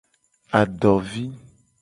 Adovi.